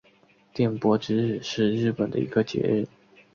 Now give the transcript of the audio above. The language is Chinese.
电波之日是日本的一个节日。